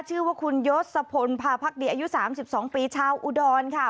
ชื่อว่าคุณยศพลพาพักดีอายุ๓๒ปีชาวอุดรค่ะ